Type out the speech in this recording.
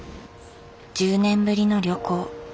１０年ぶりの旅行。